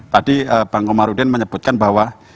tadi bang komarudin menyebutkan bahwa